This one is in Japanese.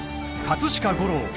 葛飾吾郎